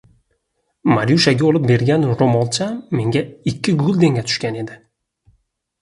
– Marushaga olib bergan roʻmolcham menga ikki guldenga tushgan edi.